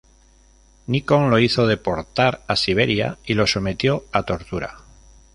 Nikon lo hizo deportar a Siberia y lo sometió a tortura.